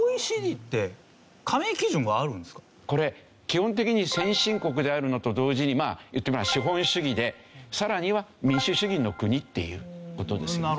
これ基本的に先進国であるのと同時にまあ言ってみれば資本主義でさらには民主主義の国っていう事ですよね。